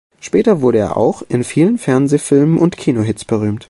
Später wurde er auch in vielen Fernsehfilmen und Kinohits berühmt.